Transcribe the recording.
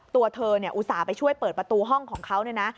ตัวเธออุตส่าห์ไปช่วยเปิดประตูห้องของเขาเนี่ยนะ